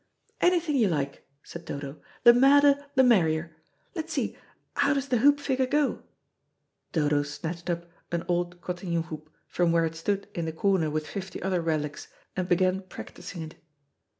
"Anything you like," said Dodo; "the madder the merrier. Let's see, how does the hoop figure go?" Dodo snatched up an old cotillion hoop from where it stood in the corner with fifty other relics, and began practising it.